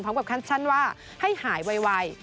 พร้อมกับคันชั้นว่าให้หายไว